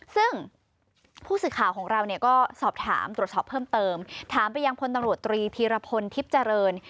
ซึ่งผู้สื่อข่าวของเราเนี่ยก็สอบถามตรวจสอบเพิ่มเติมถามไปยังพลตำรวจตรีธีรพลทิพย์เจริญ